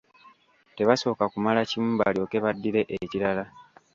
Tebasooka kumala kimu balyoke baddire ekirala.